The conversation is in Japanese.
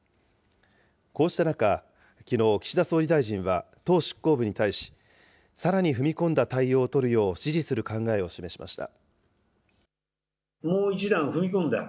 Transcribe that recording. こうした中、きのう、岸田総理大臣は党執行部に対し、さらに踏み込んだ対応を取るよう指示する考えを示しました。